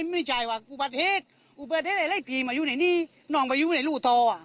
เลยขอโทษน้องมาอยู่ในรูทอ